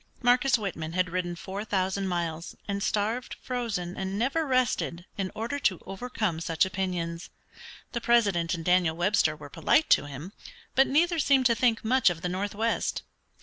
Marcus Whitman had ridden four thousand miles, and starved, frozen, and never rested in order to overcome such opinions. The President and Daniel Webster were polite to him, but neither seemed to think much of the northwest.